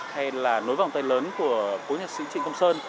hay là nối vòng tay lớn của cố nhạc sĩ trịnh công sơn